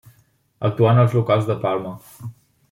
Actuà en locals de Palma.